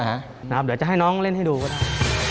เดี๋ยวจะให้น้องเล่นให้ดูก็ได้